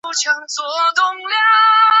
在建始五年二月改元河平。